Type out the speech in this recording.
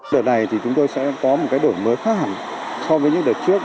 đợt này thì chúng tôi sẽ có một cái đổi mới khác hẳn so với những đợt trước